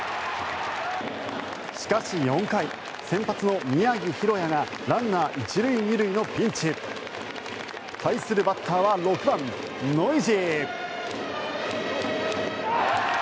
しかし４回、先発の宮城大弥がランナー１塁２塁のピンチ。対するバッターは６番、ノイジー。